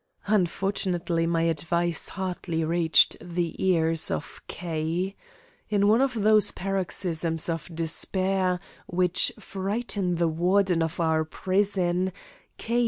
Unfortunately, my advice hardly reached the ears of K. In one of those paroxysms of despair, which frighten the Warden of our prison, K.